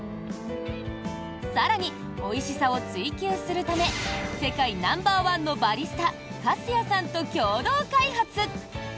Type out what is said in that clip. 更に、おいしさを追求するため世界ナンバーワンのバリスタ粕谷さんと共同開発。